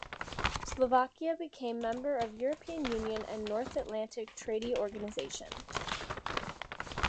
Slovakia became member of European Union and North Atlantic Treaty Organisation.